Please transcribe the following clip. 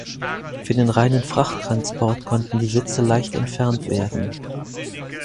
Für den reinen Frachttransport konnten die Sitze leicht entfernt werden.